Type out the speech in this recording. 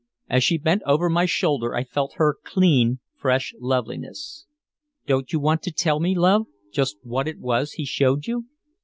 As she bent over my shoulder I felt her clean, fresh loveliness. "Don't you want to tell me, love, just what it was he showed you?"